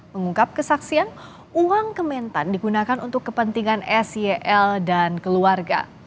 mengungkap kesaksian uang kementan digunakan untuk kepentingan sel dan keluarga